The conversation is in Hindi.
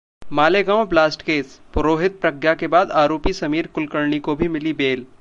मालेगांव ब्लास्ट केस: पुरोहित, प्रज्ञा के बाद आरोपी समीर कुलकर्णी को भी मिली बेल